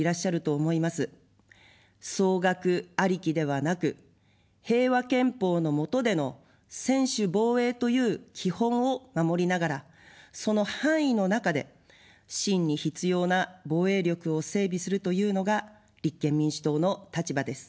総額ありきではなく、平和憲法の下での専守防衛という基本を守りながら、その範囲の中で真に必要な防衛力を整備するというのが立憲民主党の立場です。